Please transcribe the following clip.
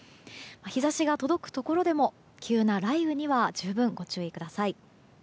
日差しが届くところでも急な雷雨には十分ご注意ください。